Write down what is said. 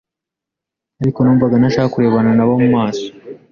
ariko numvaga ntashaka no kurebana nabo mu maso